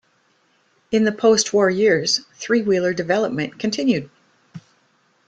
In the post-war years, three-wheeler development continued.